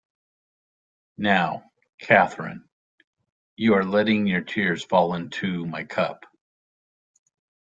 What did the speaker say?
Now, Catherine, you are letting your tears fall into my cup.